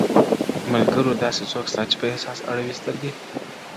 ملگرو داسي څوك سته په احساس اړوي ســـترگي؛